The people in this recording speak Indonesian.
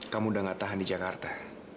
kamu udah gak tahan di jakarta